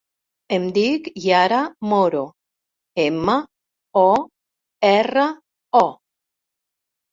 Em dic Yara Moro: ema, o, erra, o.